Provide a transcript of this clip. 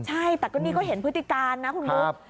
ใช่แต่ตรงนี้ก็เห็นพืชศิการนะคุณลูก